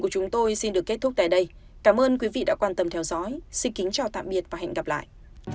cảm ơn quý vị đã quan tâm theo dõi xin kính chào tạm biệt và hẹn gặp lại